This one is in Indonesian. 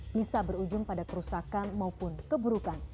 bisa berujung pada kerusakan maupun keburukan